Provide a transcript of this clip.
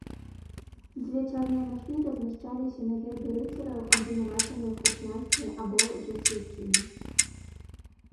Дзве чорныя машны размяшчаліся на гербе рыцараў, абвінавачаных у п'янстве або лжэсведчанні.